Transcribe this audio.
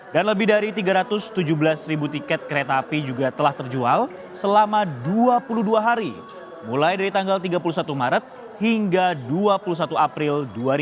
dan lebih dari tiga ratus tujuh belas tiket kereta api juga telah terjual selama dua puluh dua hari mulai dari tanggal tiga puluh satu maret hingga dua puluh satu april dua ribu dua puluh empat